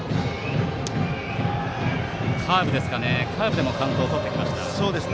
カーブでもカウントをとってきます。